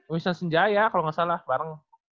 winston senjaya kalau gak salah bareng